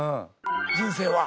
人生は。